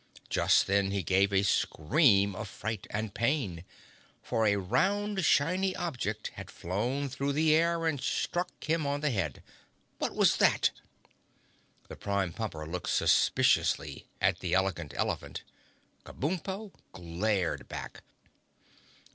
Just then he gave a scream of fright and pain, for a round shiny object had flown through the air and struck him on the head. "What was that?" The Prime Pumper looked suspiciously at the Elegant Elephant. Kabumpo glared back.